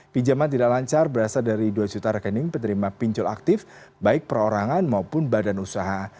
pinjaman tidak lancar berasal dari dua juta rekening penerima pinjol aktif baik perorangan maupun badan usaha